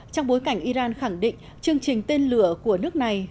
trong bối cảnh iran khẳng định chương trình tên lửa của nước này